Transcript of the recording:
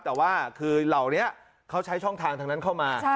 แต่ว่าคือเหล่านี้เขาใช้ช่องทางทางนั้นเข้ามา